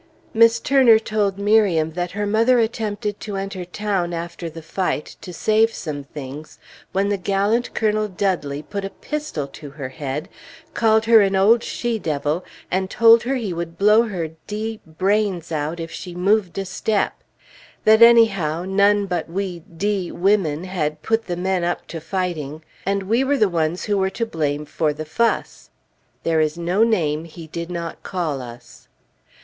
Miss Turner told Miriam that her mother attempted to enter town after the fight to save some things, when the gallant Colonel Dudley put a pistol to her head, called her an old she devil, and told her he would blow her d brains out if she moved a step; that anyhow, none but we d women had put the men up to fighting, and we were the ones who were to blame for the fuss. There is no name he did not call us.